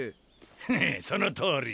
ふんそのとおり。